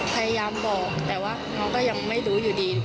พยายามบอกแต่ว่าน้องก็ยังไม่รู้อยู่ดี